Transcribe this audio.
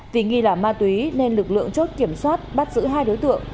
vì nghi là ma túy nên lực lượng chốt kiểm soát bắt giữ hai đối tượng